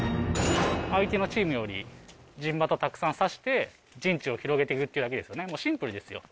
相手のチームより陣旗をたくさんさして陣地を広げてくってだけですよねシンプルですよ。